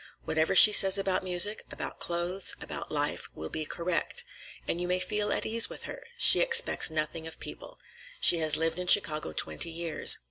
Whatever she says about music, about clothes, about life, will be correct. And you may feel at ease with her. She expects nothing of people; she has lived in Chicago twenty years.